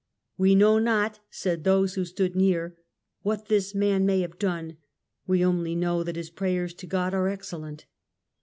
"We know not," said those who stood near, " what this man may have done, we only know that his prayers to God are excellent."